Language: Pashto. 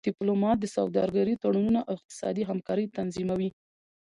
ډيپلومات د سوداګری تړونونه او اقتصادي همکاری تنظیموي.